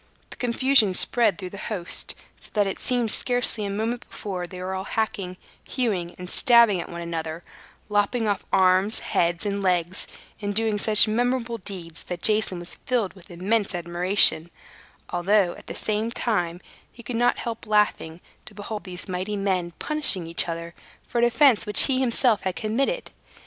The confusion spread through the host, so that it seemed scarcely a moment before they were all hacking, hewing, and stabbing at one another, lopping off arms, heads, and legs and doing such memorable deeds that Jason was filled with immense admiration; although, at the same time, he could not help laughing to behold these mighty men punishing each other for an offense which he himself had committed.